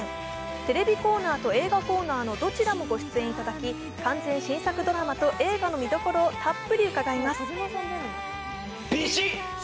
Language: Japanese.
テレビコーナーと映画コーナーとどちらもご出演いただき、映画の新作の魅力をたっぷり伺います。